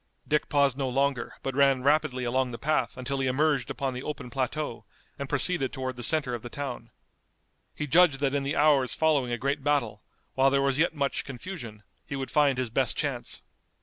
Dick paused no longer, but ran rapidly along the path until he emerged upon the open plateau and proceeded toward the center of the town. He judged that in the hours following a great battle, while there was yet much confusion, he would find his best chance.